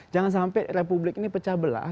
jangan sampai republik ini pecah belah